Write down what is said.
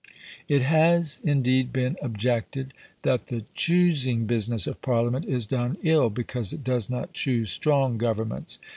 It has, indeed, been objected that the choosing business of Parliament is done ill, because it does not choose strong Governments.